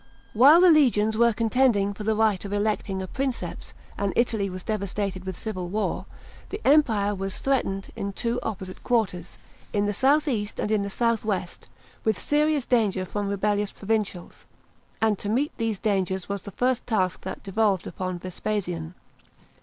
§ 1. WHILE the legions were contending for the right of electing a Princeps, and Italy was devastated with civil war, the Empire vras threatened in two opposite quarters, in the south east and in the north west, with serious danger from rebellious provincials; and to meet these dangers was the first task that devolved upon Vespasian.